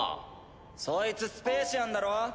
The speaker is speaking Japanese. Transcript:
そいつスペーシアンだろ？